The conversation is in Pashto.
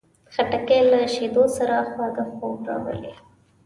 خټکی له شیدو سره خواږه خوب راولي.